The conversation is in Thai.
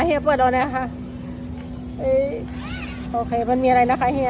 เห้ยเฮียเปิดเอาหน่าค่ะเฮ้ยโอเคมันมีอะไรนะคะเฮีย